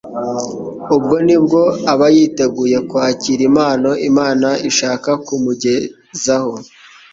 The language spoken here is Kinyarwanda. Ubwo nibwo aba yiteguye kwakira impano Imana ishaka kumugezaho.